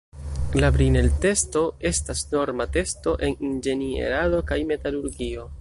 La Brinell-testo estas norma testo en inĝenierado kaj metalurgio.